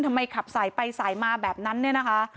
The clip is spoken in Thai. ขับสายไปสายมาแบบนั้นเนี่ยนะคะ